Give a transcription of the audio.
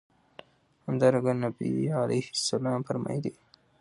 همدرانګه نبي عليه السلام فرمايلي دي